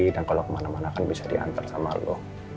dan kalau kemana mana kan bisa diantar sama lo